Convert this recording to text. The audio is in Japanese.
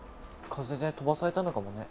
風で飛ばされたのかもね。